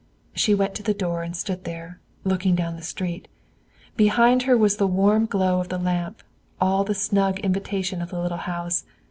She went to the door and stood there, looking down the street. Behind her was the warm glow of the lamp, all the snug invitation of the little house.